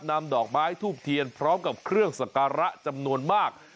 นำดอกไม้ทูบเทียนพร้อมกับเครื่องสักการะจำนวนมาก